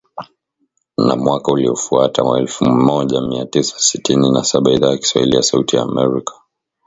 Na mwaka uliofuata elfu moja mia tisa sitini na saba Idhaa ya Kiswahili ya Sauti ya Amerika